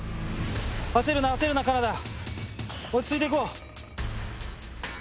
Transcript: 焦るな焦るな金田落ち着いて行こう。